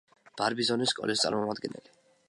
ბარბიზონის სკოლის წარმომადგენელი.